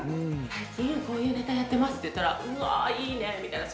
「最近こういうネタやってます」って言ったら「うわいいね」みたいな。